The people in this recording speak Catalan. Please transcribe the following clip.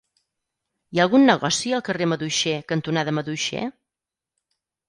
Hi ha algun negoci al carrer Maduixer cantonada Maduixer?